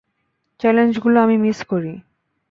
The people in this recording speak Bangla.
চ্যালেঞ্জগুলো আমি মিস করি।